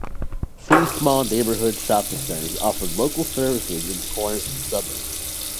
Three small neighbourhood shopping centres offer local services in the corners of the suburb.